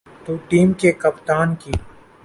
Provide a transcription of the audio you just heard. تو ٹیم کے کپتان کی۔